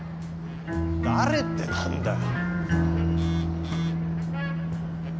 誰ってなんだよ？